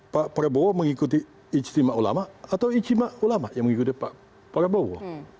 pak prabowo mengikuti ijtima ulama atau ijtima ulama yang mengikuti pak prabowo